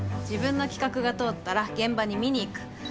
自分の企画が通ったら現場に見に行く。